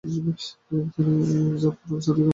তিনি Jafar al সাদিকের মা।